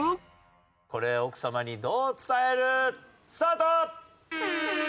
これ奥さまにどう伝える？スタート！